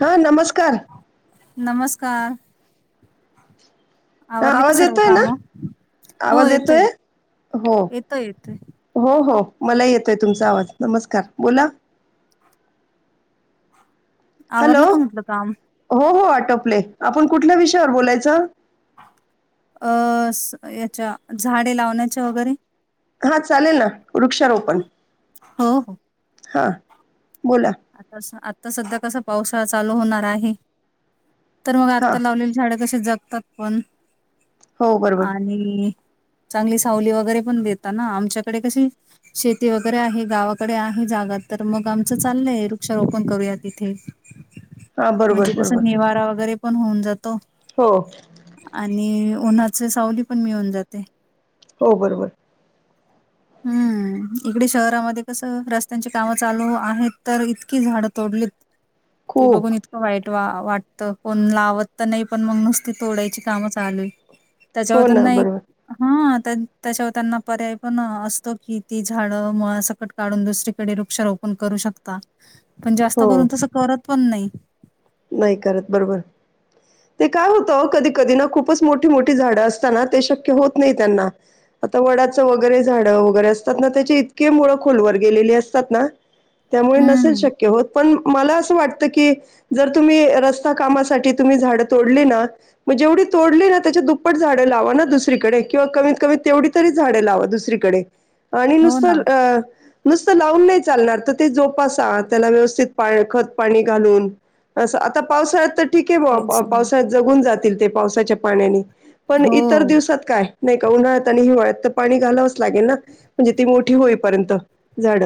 हा नमस्कार. नमस्कार. हा आवरली का आवाज सर्व येतोय ना कामं? आवाज येतोय. हो येतोय, येतोय. हो हो मला येतोय तुमचा आवाज नमस्कार बोला. हॅलो आवरलं का म्हटलं काम? हो हो आटोपले आपण कुठल्या विषयावर बोलायचं.... अ याच्या झाडे लावण्याच्या वगैरे... हा चालेल ना वृक्षारोपण... हो हो... हां... आता आता सध्या कसा पावसाळा चालू होणार आहे.. तर मग हा आत्ता लावलेली झाड कशी जगतात पण हो बरोबर आणि.. चांगली सावली वगैरे पण देतात ना आमच्याकडे कशी शेती वगैरे आहे गावाकडे आहे... तर मग आमचं चालय वृक्षारोपण करूया तिथे... हा म्हणजे बरोबर बरोबर कसं निवारा वगैरे... पण होऊन जातो हो आणि उन्हाच सावली पण मिळून जाते... हो बरोबर.... हम्म इकडे शहरामध्ये कसं रस्त्यांची कामं चालू आहेत तर इतकी झाडं तोडलीत. ते खूप बघून इतकं वाईट.. वा वाटत कोण लावत तर नाही पण मग नुसती तोडायची काम चालूय... हो ना त्याच्यावरतना एक बरोबर हा त्याच्यावरतना पर्याय पण... असतो की ती झाड मुळासकट काढून दुसरीकडे वृक्षारोपण करू शकता... पण जास्त हो करून तसं करत पण नाही.. नाही करत बरोबर... ते काय होतं कधी कधी ना खूपच मोठी मोठी झाडं असताना ते शक्य होत नाही त्यांना... आता वडाचं वगैरे झाडं वगैरे असतात ना त्याचे इतके मुळं खोलवर गेलेली असतात ना... त्यामुळे नसेल हम्म, शक्य होत पण मला असं वाटत की... जर तुम्ही रस्ता कामासाठी तुम्ही झाडं तोडली ना मग जेवढे तोडले ना त्याच्या दुप्पट झाड.... लावा ना दुसरीकडे किंवा कमीत कमी तेवढी तरी झाडे लावा दुसरीकडे... आणि हो नुसतं ना, अ नुसत.. लावून नाही चालणार तर ते जोपासा त्याला व्यवस्थित खत पाणी घालून... असं आता पावसाळ्यात तर ठीक आहे तेच बा ना. पावसाळ्यात जगून जातील ते पावसाच्या पाण्याने पण हो. इतर दिवसात काय नाही का उन्हाळ्यात आणि हिवाळ्यात... पाणी घालावच लागेल ना म्हणजे ती मोठी होईपर्यंत झाड...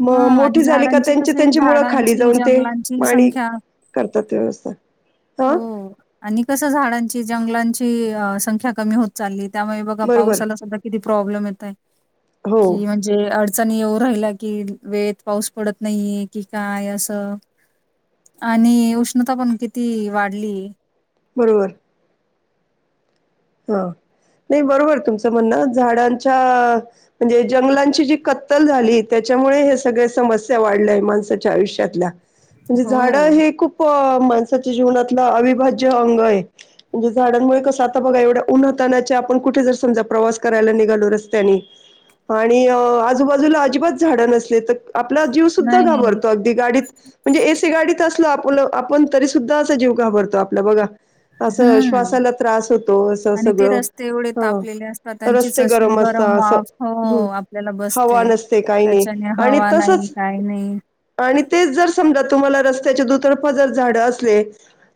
मग हां आणि मोठी झाली का त्यांची त्यांची मुळ खाली जाऊन ते... ची पाणी संख्या.. व्यवस्था... हा हो आणि कस झाडांची जंगलांची संख्या कमी होत चालली... त्यामुळे बघा बरोबर पावसाला सुधा किती प्रॉब्लेम येतय हो कि म्हणजे... अडचणी येऊ राहिला कि वेळेत पाऊस पडत नाहीे की काय असं... आणि उष्णता पण किती वाढली... बरोबर... ह... नाही बरोबर तुमचं म्हणनं, झाडांच्या म्हणजे जंगलांची जी कत्तल झाली त्या.... त्यामुळे, हे सगळे समस्या वाढल्यां माणसाच्या आयुष्याल्या, म्हणजे झाडं हो. हे खूप... माणसाच्या जीवनातला, अविभाज्य अंग आहे. म्हणजे झाडांमुळे कसं, आता बघा एवढे... उन्हातान्हाचे आपण कुठे जर समजा, प्रवास करायला निघालो रस्त्याने... आणि आजूबाजूला अजिबात झाडं नसले तर... आपला जीव सुद्धा नाही. घाबरतो, अगदी गाडीत म्हणजे ए. सी. गाडीत असलो आपण... आपलं आपण तरी सुद्धा असा जीव घाबरतो आपला बघा, असं हं. श्वासाला त्रास होतो... आणि ते सगळं, रस्ते एवढे हं. तापलेले असतात, त्यांचीच रस्ते अशी गरम असतात, वाफ हो, आपल्याला हवा बसते. नसते... ते काही नाही. त्याच्याने आणि हवा नाही, तसंच, काही नाही. आणि तेच जर समजा तुम्हा... तुम्हाला रस्त्याचे दुतर्फा जर झाडं असले,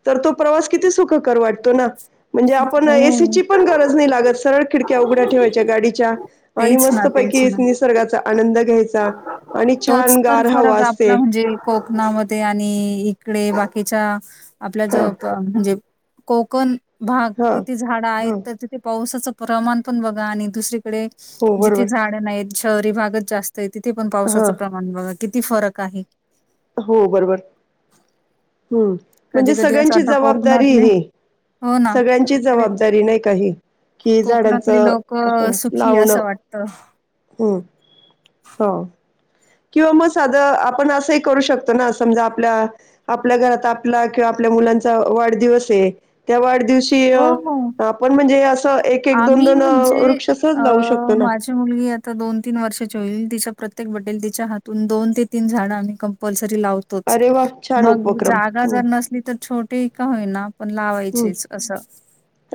तर तो प्रवास किती सुखकर वाट... तो ना. म्हणजे आपण ए. सी.... हो. तिची पण गरज नाही लागत. सरळ खिडक्या उघड्या ठेवायच्या गाडीच्या, आणि तेच ना, मस्त तेच पैकी ना. निसर्गाचा आनंद.... घ्यायचा. आणि तोच छान तर गार हवा फरक असते आपला म्हणजे कोक णा मधे आणि इकडे बाकीच्या, आपल्या हा जो प म्हणजे कोकण भाग हा तिथे झाडं आहेत, हा तर तिथे पावसाचं प्रमाण पण बघा आणि दुसरी कडे हो बरोबर जिथे झाडं नाहीत, शहरी भागच जास्त आहे. तिथे पण हा पावसाचं प पण बघा किती फरक आहे? हो बरोबर हम्म कधी म्हणजे कधी असं सगळ्यांची वाटतं जबाबदारी कोकणातले ही हो ना सगळ्यांची अरे जबाबदारी नाही का ही? कि हे कोकणातली झाडांचं लोक सुखी लावणं, असं वाटत हम् हो. किंवा मग साधं आपण असंही करू शकतो ना समजा आपल्या, आपल्या घरात आपला किंवा आप आपल्या मुलांचा वाढदिवस आहे, त्या वाढदिवशी हो हो आपण म्हणजे आम्ही अ, म्हणजे, वृक्ष सहज अ लावू शकतो ना. माझी मुलगी आता दोन-तीन वर्षाची होईल तिच्या प्रत्येक बर्डे ला, तिच्या हातून दोन ते तीन झाडं आम्ही कंम्पल तरी लावतोच अरे वाह! छान मग उपक्रम. जागा हं, जर नसली तर छोटी का होईना पण हं. लावायचेच असं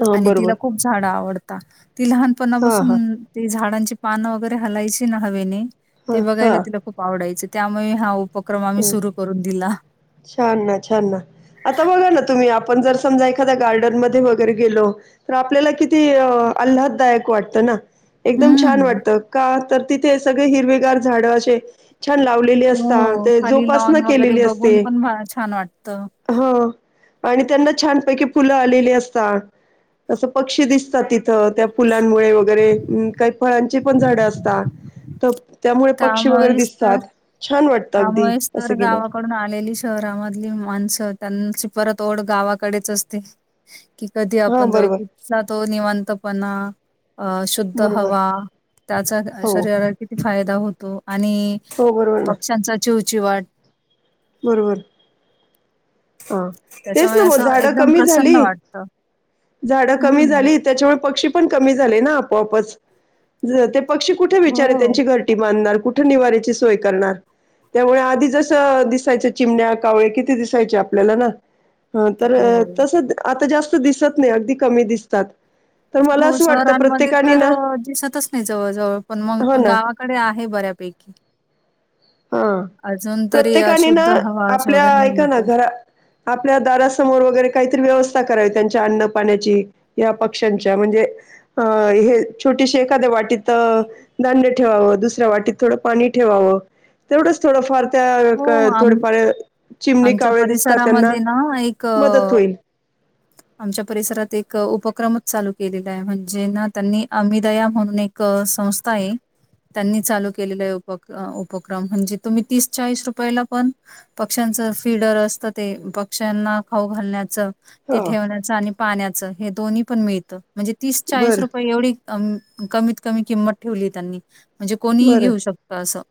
हां, आणि बरोबर. तिला खूप झाडं आवडतात. ती हां, हां. लहानपणापासून ती झाडांची पानं वगैरे हलायची ना हवेने ते हां, बघायला तिला हां. खूप आवडायचं त्यामुळे हा उपक्रम आम्ही सुरू करून दिला. छान ना! छान ना! आता बघा ना तुम्ही आणि आपण जर समजा एखाद्या गार्डन मधे वगैरे गेलो तर आपल्या किती आल्हाददायक वाटतं. ना एकदम छान हं. वाटतं का तर तिथे सगळी हिरवीगार झाडं असे छान लावलेली असतात ते जोपासना केलेली असते. हा, छान वाटतं. हं. आणि त्यांना छानपैकी फुलं आलेली असतात, असं पक्षी दिसतात तिथं तर त्या फुलांमुळे वगैरे काही फळांची पण झाडं असतात तर त्यामुळे पक्षी वगैरे त्यामुळेच तर दिसतात. छान वाटतं अगदी त्यामुळेच तर असं गेल्यावर. गावाकडून आलेली शहर गावा मधली माणसं त्यांची परत ओढ गावाकडेच असते कि कधी आपण हां, जाऊ बरोबर, जातो तिथला तो निवांतपणा अ शुद्ध बरोबर. हवा त्याचा हो शरीराला किती फायदा होतो आणि हो बरोबर पक्ष्यांचा चिवचिवाट बरोबरी हा तेच त्याच्यामुळे ना मगं असं झाडं एकदम कमी झाली प्रसन्न वाटतं. झाडं कमी हं. झाली त्याच्यामुळे पक्षी पण कमी झाले ना आपोआपच. पक्षी कुठे बिचारे हो, त्यांची घरटी बांधणार कूठं निवार्याची सोय करणार? त्यामुळे आधी जसं दिस याचे चिमण्या कावळे किती दिसायचे आपल्याला ना? तर हो. तसं आता जास्त दिसत नाही, अगदी कमी दिसतात. तर मला हो, असं वाटतं शहरांमध्ये प्रत्येकाने तर ना दिसतच नाही जवळ-जवळ. पण मंग हो ना गावाकडे आहे बऱ्यापैकी हा [unintelligible] अजून तरी प्रत्येकाने ना अशुद्ध हवा आपल्या वगैरे नाही ऐका येत. ना घरा आपल्या दारासमोर वगैरे काहीत व्यव व्यवस्था करायची त्यांच्या अन्नपाण्याची पक्षांच्या छोटे म्हणजे छोटीशी एका. एखाद्या वाटीत धान्य ठेवावं दुसऱ्या वाटीत थोडे पाणी ठेवावे तेवढेच थोडाफार. त्या हो, आम थोडफार चिमणी आमच्या कावळे दिसतात. त्यांना परिसरामध्ये ना एक मदत अ, होईल आमच्या परिसरात एक उपक्रम. चालू केलेलं आहे, म्हणजे ना त्यांनी अमिदया म्हणून एक संस्था आहे. त्यांनी चालू केलेले उपक्रम म्हणजे तुम्ही तीस. चाळीस रुपयाला पण पक्ष्यांच फीडर असतं ते पक्ष्यांना खाऊ घालण्याचं ते हा ठेवण्याचं आणि पाण्याचं हे दोन्ही पण मिळतं म्हणजे तीस चाळीस बरं रुपये एवढी. कमीत कमी किंमत ठेवली. त्यांनी म्हणजे कोणीही बरं घेऊ शकत असं.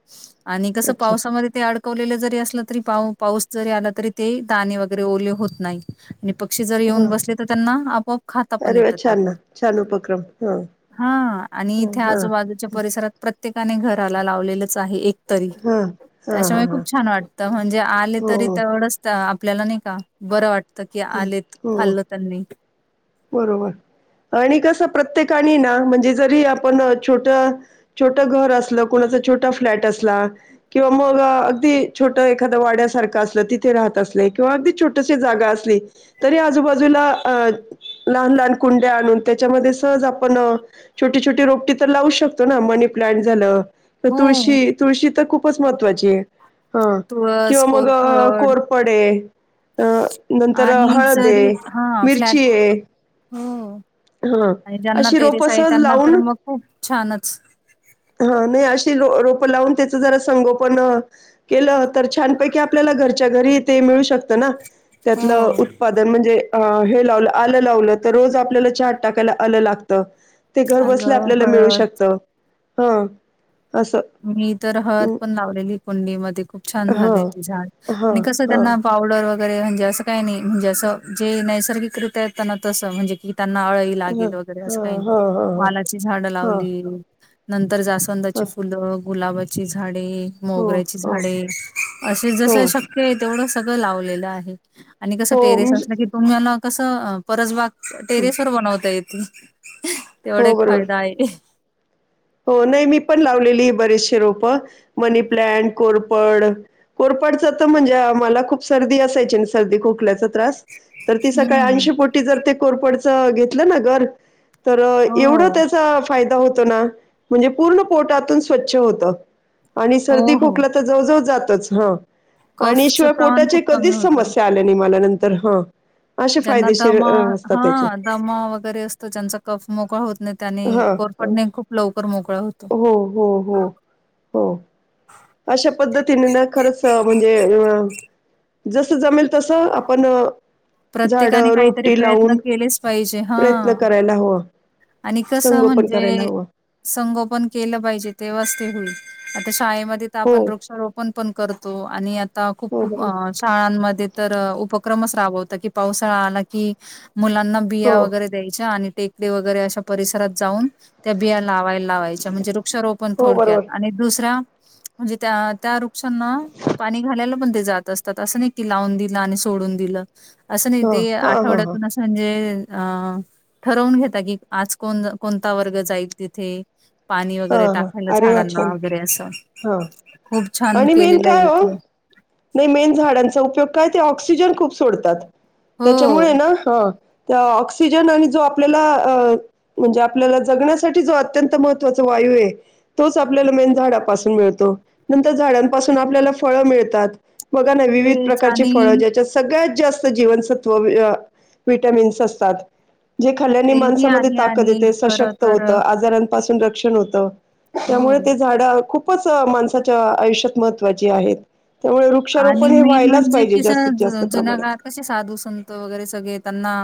आणि कसं अच्छा पावसामध्ये ते अडकवलेलं जरी असलं तरी पाऊस जरी आला तरी ते दाणे वगैरे ओले होत नाही आणि पक्षी जर हा येऊन बसले तर त्यांना आपोआप खाता पण अरे वा येतं छान ना त्यातून छान उपक्रम हा हा आणि हा इथे हा आजूबाजूच्या परिसरात प्रत्येकाने घराला लावलेलंच आहे एक तरी. हा हा हा त्याच्यामुळे हा खूप छान वाटतं म्हणजे आले तरी हो तेवढचत आपल्याला नाही का बरं वाटत. हो बरोबर आणि कस प्रत्येक प्रत्येका ना म्हणजे जरी आपण छोट छोटं घर असलं कुणाचं छोटं फ्लॅट असला. किंवा मग अगदी छोट एखादं वाड्यासारख अस तिथे राहत अस किंवा अगदी जागा अस तरी आजूबाजूला लहान लहान कुंड्या आणून त्याच्यामध्ये सहज आपण छोटी छोटी रोपटी तर लावू शकतो. ना मनी प्लांट झालं तर हो तुळशी तुळशी तर खूपच महत्त्वाची आहे. हा तुळस, किंवा मग कोरफड कोरपडे अ नंतर आणि हळद जरी आहे हा फ्लॅट मिरची आहे हो हां. आणि ज्यांना अशी टेरिस रोपं आहे. सहज त्यांना तर मग खूप छानच हा नाही अशी रोप लावून त्याच जरा संगोपन केलं. तर छानपैकी आपल्याला घरच्या घरी ते मिळू शकत. ना त्यातलं हो. उत्पादन म्हणजे अ हे लावलं आलं लावलं तर रोज आपल्याला चार टाकायला आलं लागत. ते घर बसल्या आलं आपल्याला मिळू हळद. शकत. ह मी तर हळद पण लावलेली कंडी मध्ये खूप छान झाले. हां. ते झाड आणि हां, कसं हां, त्यांना पावडर वगैर वैरे म्हणजे असं काही नाही म्हणजे असं जे नैसर्गिक रित्या आहेत त्यांना तसं म्हणजे कि त्यांना अळई हां, हां, लागेल वगैरे असं काही हां, नाही हां, हां, हां, वालाची झाडं लावली नंतर तर जास्वंदाची हां. फुलं, गुलाबाची झाडे हो, मोगऱ्याची हो, झाडे असे हो, जस शक्य आहे. तेवढं सगळे लावलेला आहे आणि कसं हो, टेरेस म्हणजे असलं की तुम्हाला कसं परसबाग हं, टेरेस वर बनवता येेत तेवढा हो, एक बरोबर. फायदा आहे. हो नाही मी पण लावलेली बरेचसे रोप मनी प्लनट कोरपड कोर ट म्हणजे मला खूप सर्दी असायची सर्दी खोकल्याच त तर ती सकाळी हम्म. अंशीपोटी जर ते कोरपडच घेतलं ना घर तर एवढं हो. त्याचा फायदा होतो. ना म्हणजे पूर्ण पोटातून स्वच्छ होत आणि हो, सर्दी हो. खोकला तर जवळजवळ जातच हा आणि कफचं शिवाय प्रमाण पोटाच्या खूप कमी कधीच होतं. समस्या आल्या नाही. मला नंतर हा ज्यांना दमा हा त्याचे. दमा वगैरे असतो ज्यांचा कफ मोगळा होतो. न त्याने हां हां. कोरपडणे खूप लवकर मोकळा होत. हो हो हो हो अशा पद्धतीने ना खरंच म्हणजे जस जमेल तसं आपण प्रत्येकाने झाडं, काहीतरी रोपटी प्रयत्न लावून केलेच पाहिजे हा प्रयत्न करायला हवा. आणि कस संगोपन करायला म्हणजे हवं. संगोपन केलं पाहिजे तेव्हाच ते होईल आता शाळेमध्ये तर हो, आपण वृक्षारोपण पण करतो आणि आता खूप हो खूप बरोबर. शाळांमध्ये तर उपक्रमच राबवत कि पावसाळा आला की मुलांना हो, बिया वगैरे द्यायच्या आणि टेकडी वगैरे अशा परिसरात जाऊन त्या बिया लावाय लावायच्या म्हणजे वृक्षारोपण हो थोडक्यात बरोबर. आणि दुसऱ्या म्हणजे त्या त्या वृक्षांना पाणी घालायला पण ते जात असतात असं नाही की लावून दि आणि सोडून दिलं असं नाही हां, ते हां, हां, हां. आठवड्यातून असं म्हणजे अ ठरवून घेता की आज कोण कोणता वर्ग जाईल तिथे पाणी वगैरे टाकायला झाडांना वगैरे असं हा खूप छान आणि मेन केलेलं काय आहे हो इथे नाही मेन झाडांचा उपयोग काय ते ऑक्सिजन खूप सोडतात त्याच्यामुळे हो हायना त्या ऑक्सिजन आणि जो आपल्याला अ म्हणजे आपल्याला जगण्यासाठी जो अत्यंत महत्त्वाच वाय यु ये तोच आपल्याला मेन झाडापासून मिळतो. नंतर झाडांपासून आपल्याला फळं मिळतात बघा ना विविध तेच प्रकारची फळं आणि ज्याच्यात सगळ्यात जास्त जीवनसत्व वि अ विटामिन्स असतात. जे खाल्यानी तेही माणसामध्ये आहे ताकद आणि येते. खरं सशक्त तर होत. आजारां नपासुन रक्षण होत. त्यामुळ हो. ते झाड खूपच माणसां अ आयुष्यात महत्त्वाची आहेत. त्यामुळे आणि वृक्षारोपण हे मेन व्हायलाच म्हणजे पाहिजे कीसं जास्तीत जु जास्त जुन्या काळात प्रमाणात कसे साधू संत वगैरे सगळे येत त्यांना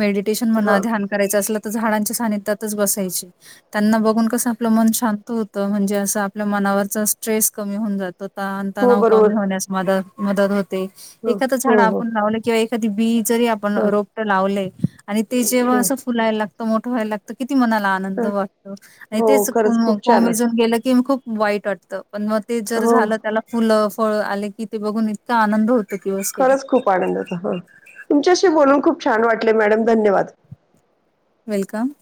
मेडिटेशन म्हणा हा ध्यान करायचं असल त झाडांच्या सान्निध्यात तच बसायचे त्यांना बघून कस आपलं मन शांत होत. त. म्हणजे असं आपल्या मनावरचा स्ट्रेस कमी होऊन जात होतं आणि हो तणाव बरोबर कमी होण्यास मदत होते ह एखाद हो झाड हो आपण लावले किंवा एखादी बी जरी आपण ह रोपट लावले आणि ते जेव्हा हो अस फुलायला लागतं मोठं व्हायला लागत कि ती मनाला आनंद ह वाटतो आणि हो तेच खरंच कोम खूप छान कोमेजून गेलं की खूप वाईट वाटतं. पण म ते जर हो झालं त्याला फुलं फळ आले. की ते बघून इतका आनंद होत खरंच खूप आनंद होतो. हं तुमच्याशी बोलून खूप छान वाटले मॅडम धन्यवाद. वेलकम.